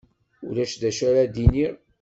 Ulac d acu ara d-iniɣ.